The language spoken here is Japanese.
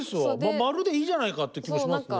マルでいいじゃないかって気はしますね。